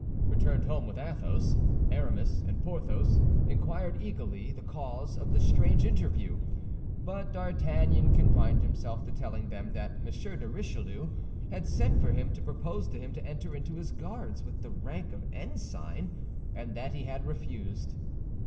Returned home with Athos, Aramis and Porthos inquired eagerly the cause of the strange interview; but D'Artagnan confined himself to telling them that M. de Richelieu had sent for him to propose to him to enter into his guards with the rank of ensign, and that he had refused.